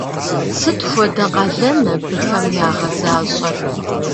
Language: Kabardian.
Сыт хуэдэ къалэн абыхэм ягъэзащӏэр?